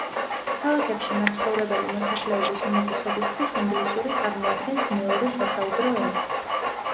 ქალაქებში მაცხოვრებელი მოსახლეობის უმეტესობისთვის ინგლისური წარმოადგენს მეორე სასაუბრო ენას.